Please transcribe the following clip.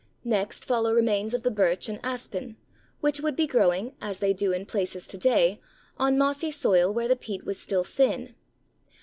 Next follow remains of the Birch and Aspen, which would be growing, as they do in places to day, on mossy soil where the peat was still thin.